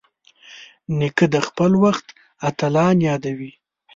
نیکه د خپل وخت اتلان یادوي.